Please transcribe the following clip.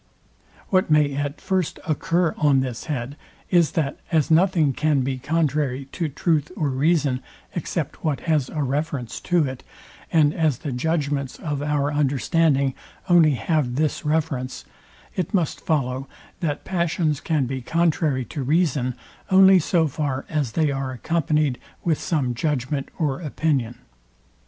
What may at first occur on this head, is, that as nothing can be contrary to truth or reason, except what has a reference to it, and as the judgments of our understanding only have this reference, it must follow, that passions can be contrary to reason only so far as they are accompanyed with some judgment or opinion.